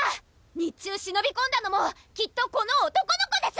日中しのびこんだのもきっとこの男の子です！